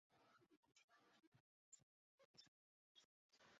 望江楼古建筑群为纪念唐代女诗人薛涛的园林建筑。